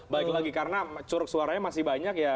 baik lagi karena curug suaranya masih banyak ya